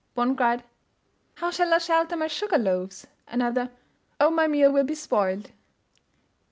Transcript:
One cried, "How shall I shelter my sugar loaves?" another, "Oh, my meal will be spoiled."